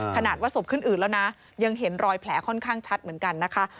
ขนาดว่าศพขึ้นอืดแล้วนะยังเห็นรอยแผลค่อนข้างชัดเหมือนกันนะคะ